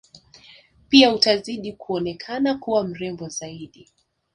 Pia utazidi kuonekana kuwa mrembo zaidi